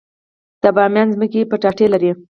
د بامیان ځمکې کچالو لري